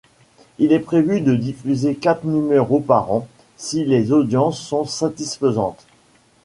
Il est prévu de diffuser quatre numéros par an si les audiences sont satisfaisantes.